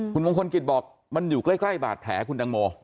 คุณมงคลกิจบอกมันอยู่ใกล้บาดแผลคุณตังโม